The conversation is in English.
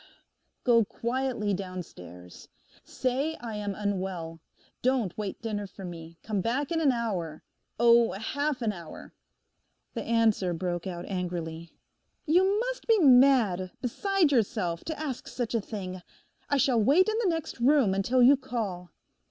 Go quietly downstairs. Say I am unwell; don't wait dinner for me; come back in an hour; oh, half an hour!' The answer broke out angrily. 'You must be mad, beside yourself, to ask such a thing. I shall wait in the next room until you call.